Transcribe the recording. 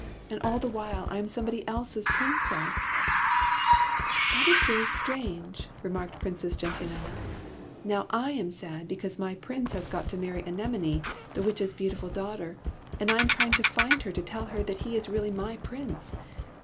'' And all the while, I am somebody else's Princess !"" That is very strange," remarked Princess Gentianella. '' Now / am sad because my Prince has got to marry Anemone, the Witch's beautiful daughter, and I am trying to find her to tell her that he is really my Prince.